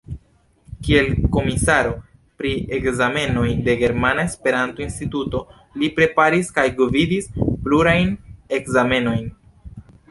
Kiel komisaro pri ekzamenoj de Germana Esperanto-Instituto li preparis kaj gvidis plurajn ekzamenojn.